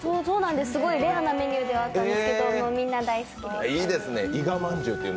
すごいレアなメニューだったんですけど、みんな大好きで。